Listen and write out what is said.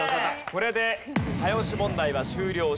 これで早押し問題は終了しました。